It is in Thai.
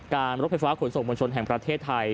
การรบไพฟ้าขุนส่งมนชนแห่งประเทศไทย